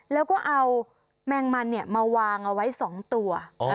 แล้วก็เอาแมงมันมาวางเอาไว้๒ตัว